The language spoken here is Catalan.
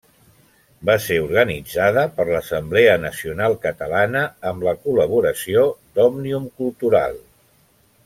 Va ser organitzada per l'Assemblea Nacional Catalana amb la col·laboració d'Òmnium Cultural.